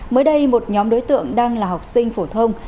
mới đây một nhóm đối tượng đang là học sinh phổ thông